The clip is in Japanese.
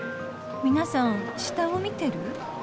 皆さん下を見てる？